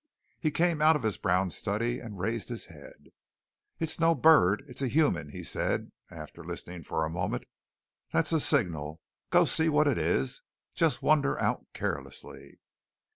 He came out of his brown study and raised his head. "It's no bird, it's a human," he said, after listening a moment. "That's a signal. Go see what it is. Just wander out carelessly."